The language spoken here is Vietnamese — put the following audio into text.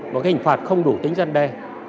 một hình phạt không đủ tính văn đề